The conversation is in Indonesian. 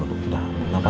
lepas panjang ya